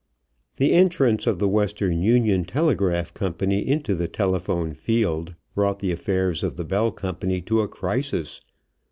The entrance of the Western Union Telegraph Company into the telephone field brought the affairs of the Bell company to a crisis.